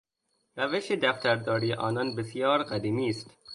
روش دفترداری آنان بسیار قدیمی است.